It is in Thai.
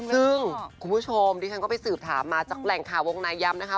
คุณผู้ชมที่ฉันก็ไปสืบถามมาจากแหล่งขาวงไหนย่ำนะค่ะ